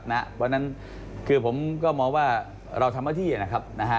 เพราะฉะนั้นคือผมก็มองว่าเราทำหน้าที่นะครับ